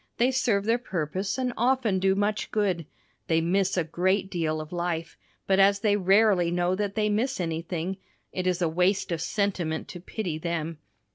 They serve their purpose and often do much good. They miss a great deal of life, but as they rarely know that they miss anything, it is a waste of sentiment to pity them.